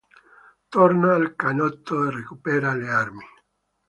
Torna al canotto e recupera le armi.